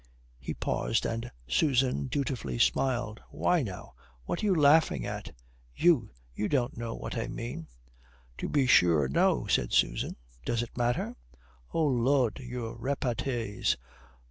He paused, and Susan dutifully smiled. "Why now, what are you laughing at? You! You don't know what I mean." "To be sure, no," said Susan. "Does it matter?" "Oh Lud, your repartees!